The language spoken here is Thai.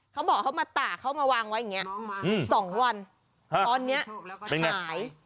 เขาบอกมีต่าเค้ามาวางไว้อย่างเงี่ย๒วันตอนเนี้ยหาย